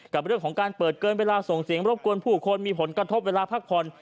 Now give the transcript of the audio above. กับเรื่องของการเปิดเกินเวลาส่งเสียงรบกวนผู้คนมีผลกระทบเวลาพักผ่อน